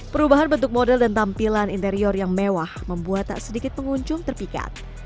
perubahan bentuk model dan tampilan interior yang mewah membuat tak sedikit pengunjung terpikat